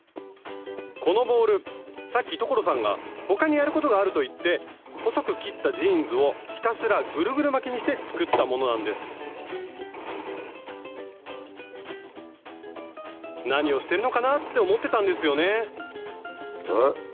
このボールさっき所さんが他にやることがあると言って細く切ったジーンズをひたすらグルグル巻きにして作ったものなんです何をしてるのかなって思ってたんですよねえ？